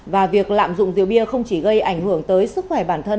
và việc lạm dụng rượu bia không chỉ gây ảnh hưởng tới sức khỏe bản thân